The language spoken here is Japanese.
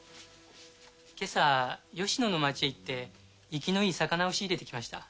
今朝吉野の町へ行って粋のいい魚を仕入れてきました。